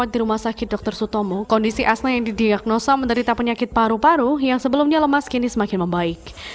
di rumah sakit dr sutomo kondisi asna yang didiagnosa menderita penyakit paru paru yang sebelumnya lemas kini semakin membaik